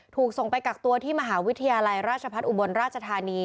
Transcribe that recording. ถูกส่งไปกักตัวที่มหาวิทยาลัยราชพัฒนอุบลราชธานี